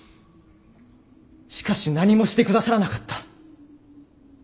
しかし何もしてくださらなかった。